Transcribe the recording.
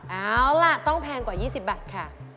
เอาล่ะต้องแพงกว่า๒๐บาทค่ะ